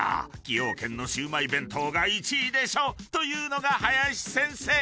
「崎陽軒」のシウマイ弁当が１位でしょというのが林先生］